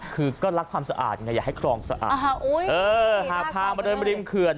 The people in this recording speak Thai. คือก็รักความสะอาดไงอยากให้คลองสะอาดหากพามาเดินริมเขื่อน